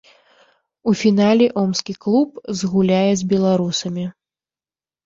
У фінале омскі клуб згуляе з беларусамі.